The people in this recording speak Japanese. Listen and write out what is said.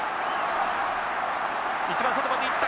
一番外まで行った。